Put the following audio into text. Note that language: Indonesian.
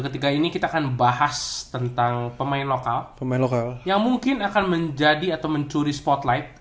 ketika ini kita akan bahas tentang pemain lokal pemain lokal yang mungkin akan menjadi atau mencuri spotlight